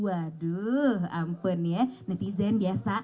waduh ampun ya netizen biasa